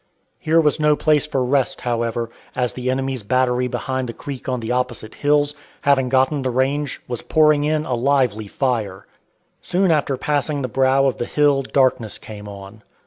Here was no place for rest, however, as the enemy's battery behind the creek on the opposite hills, having gotten the range, was pouring in a lively fire. Soon after passing the brow of the hill darkness came on.